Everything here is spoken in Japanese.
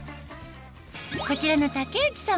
こちらの竹内さん